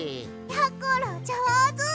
やころじょうず！